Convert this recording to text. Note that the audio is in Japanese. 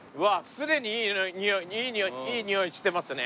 すでにいいにおいしてますね。